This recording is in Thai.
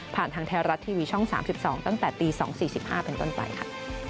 ทางไทยรัฐทีวีช่อง๓๒ตั้งแต่ตี๒๔๕เป็นต้นไปค่ะ